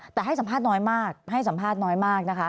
แต่ให้สัมภาษณ์น้อยมาก